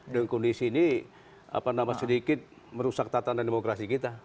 dan kondisi ini sedikit merusak tatanan demokrasi kita